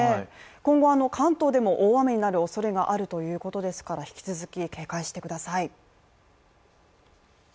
今後、関東でも大雨になるということですから引き続き警戒してください。